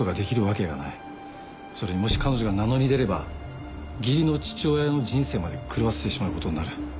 それにもし彼女が名乗り出れば義理の父親の人生まで狂わせてしまうことになる。